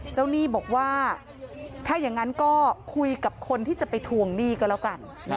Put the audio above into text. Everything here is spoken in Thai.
หนี้บอกว่าถ้าอย่างนั้นก็คุยกับคนที่จะไปทวงหนี้ก็แล้วกัน